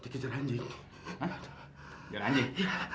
dikejar anjing dikejar anjing